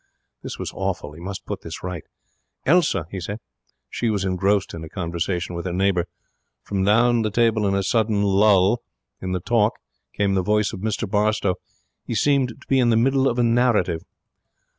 This was awful. He must put this right. 'Elsa,' he said. She was engrossed in her conversation with her neighbour. From down the table in a sudden lull in the talk came the voice of Mr Barstowe. He seemed to be in the middle of a narrative.